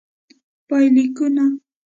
پایلیکونه: